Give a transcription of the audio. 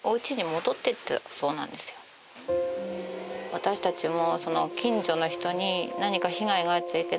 私たちも。